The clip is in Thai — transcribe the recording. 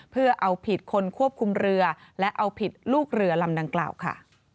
เพื่อเอาผิดคนควบคุมเรือและเอาผิดลูกเรือลำดังกล่าวค่ะ